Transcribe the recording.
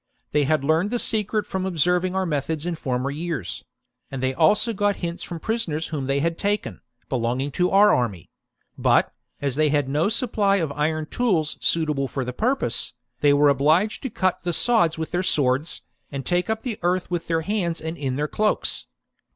They had learned the secret from observing our methods in former years ; and they also got hints from prisoners whom they had taken, belonging to our army : but, as they had no supply of iron tools suitable for the pur pose, they were obliged to cut the sods with their swords, and take up the earth with their hands and in their cloaks.